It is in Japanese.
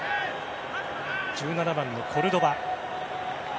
１７番のコルドバ。